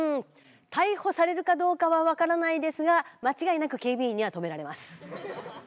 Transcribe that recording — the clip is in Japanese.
逮捕されるかどうかは分からないですが間違いなく警備員には止められます。